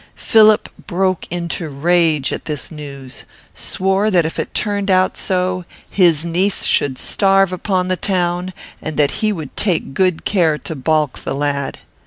Philip broke into rage at this news; swore that if it turned out so, his niece should starve upon the town, and that he would take good care to balk the lad.